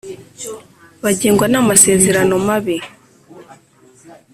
bagengwa na masezerano mabi